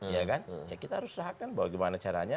ya kan ya kita harus usahakan bagaimana caranya